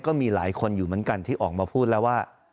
ก็มีหลายคนอยู่เหมือนกันที่ออกมาพูดแล้วว่า